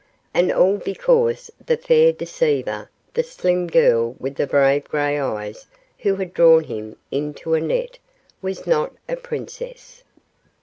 And all because the fair deceiver, the slim girl with the brave gray eyes who had drawn him into a net, was not a princess!